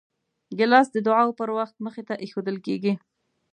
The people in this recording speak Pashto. ګیلاس د دعاو پر وخت مخې ته ایښودل کېږي.